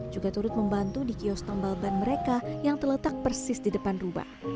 juga turut membantu di kios tambal ban mereka yang terletak persis di depan rubah